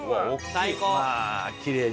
最高！